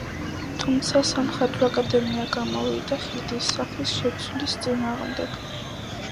თუმცა სამხატვრო აკადემია გამოვიდა ხიდის სახის შეცვლის წინააღმდეგ.